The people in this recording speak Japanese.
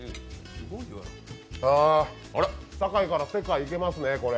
あ堺から世界行けますね。